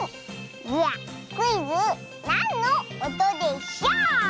ではクイズ「なんのおとでショウ！」。